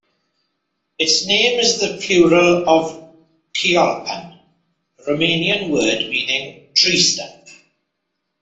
Its name is the plural of "ciolpan", a Romanian word meaning "tree stump".